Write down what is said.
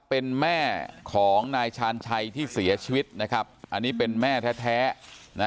เป็นแม่ของนายชาญชัยที่เสียชีวิตนะครับอันนี้เป็นแม่แท้นะ